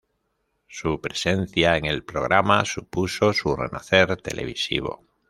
Su presencia en el programa supuso su renacer televisivo.